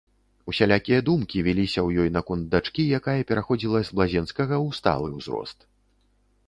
Усялякія думкі віліся ў ёй наконт дачкі, якая пераходзіла з блазенскага ў сталы ўзрост.